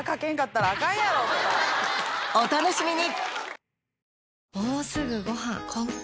お楽しみに！